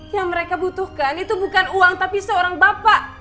yang mereka butuhkan itu bukan uang tapi seorang bapak